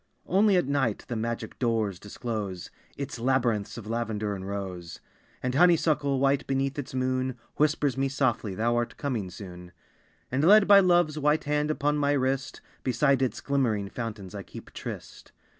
Only at night the magic doors disclose Its labyrinths of lavender and rose; And honeysuckle, white beneath its moon, Whispers me softly thou art coming soon; And led by Love's white hand upon my wrist Beside its glimmering fountains I keep tryst.